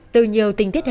từ nhiều tình tiết hé lộ